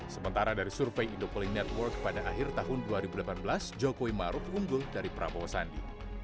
sementara dari survei indopoli network pada akhir tahun dua ribu delapan belas jokowi maruf unggul dari prabowo sandi